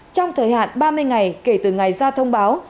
trong thời hạn ba mươi ngày kể từ ngày ra thông báo